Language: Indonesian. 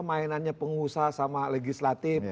mainannya pengusaha sama legislatif